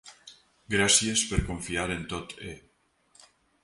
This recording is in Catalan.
Gràcies per confiar en Tot-e!